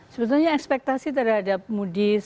sebetulnya ekspektasi terhadap moody's